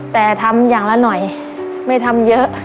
แต่ทำอย่างละหน่อยไม่ทำเยอะ